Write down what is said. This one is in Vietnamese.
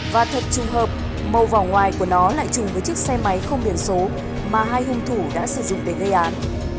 và thật trùng hợp màu vỏ ngoài của nó lại chùng với chiếc xe máy không biển số mà hai hung thủ đã sử dụng để gây án